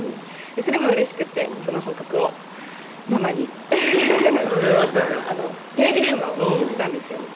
それもうれしくてその報告をママにフフフ電話したんやテレビ電話をしたんですよ